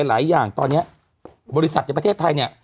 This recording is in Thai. หลายอย่างตอนนี้บริษัทในประเทศไทยเนี่ย